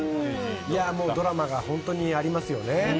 ドラマが本当にありますよね。